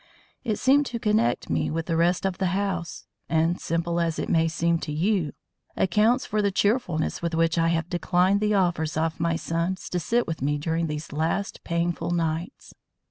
It seemed to connect me with the rest of the house, and simple as it may seem to you, accounts for the cheerfulness with which I have declined the offers of my sons to sit with me during these last painful nights.